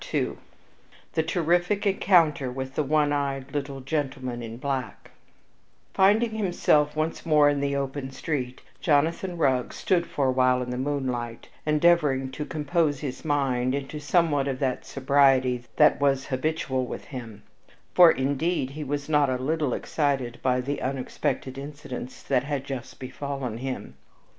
III The Terrific Encounter with the One Eyed Little Gentleman in Black Finding himself once more in the open street, Jonathan Rugg stood for a while in the moonlight, endeavoring to compose his mind into somewhat of that sobriety that was habitual with him; for, indeed, he was not a little excited by the unexpected incidents that had just befallen him.